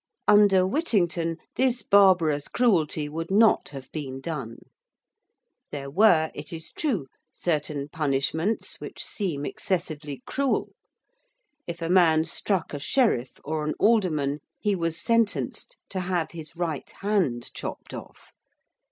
Under Whittington this barbarous cruelty would not have been done. There were, it is true, certain punishments which seem excessively cruel. If a man struck a sheriff or an alderman he was sentenced to have his right hand chopped off.